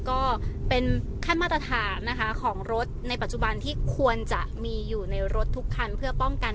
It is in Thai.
ก็เป็นขั้นมาตรฐานนะคะของรถในปัจจุบันที่ควรจะมีอยู่ในรถทุกคันเพื่อป้องกัน